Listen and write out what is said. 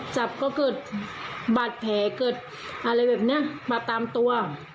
จับก็เกิดบาดแผลเกิดอะไรแบบนี้มาตามตัว